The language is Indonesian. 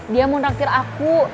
dia mau ngerang tir aku